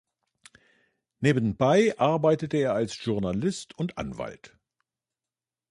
Nebenbei arbeitete er als Journalist und Anwalt.